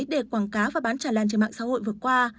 để quảng cáo và bán tràn lan trên mạng xã hội vừa qua